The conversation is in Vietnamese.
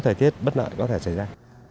thời tiết bất nợ có thể xảy ra